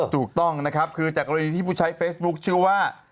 ถูกต้องนะครับคือจากกรณีที่ผู้ใช้เฟซบุ๊คชื่อว่า